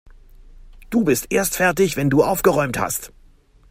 Du bist erst fertig, wenn du aufgeräumt hast.